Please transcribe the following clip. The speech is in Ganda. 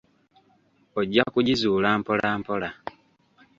Ojja kugizuula mpolampola.